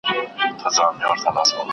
ژوند د هر انسان لپاره یو رنګ نه وي.